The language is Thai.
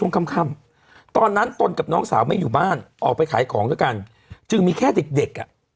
๕คนตามลำพังโอ้โห